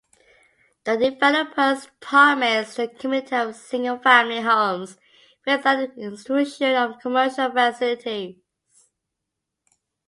The developers promised a community of single-family homes without the intrusion of commercial facilities.